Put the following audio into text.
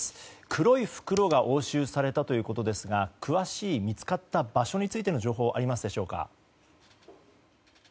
黒い袋が押収されたということですが詳しい見つかった場所についての情報はありますでしょうか。